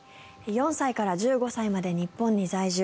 ４歳から１５歳まで日本に在住。